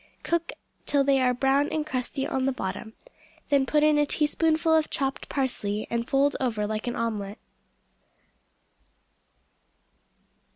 Cook till they are brown and crusty on the bottom; then put in a teaspoonful of chopped parsley, and fold over like an omelette.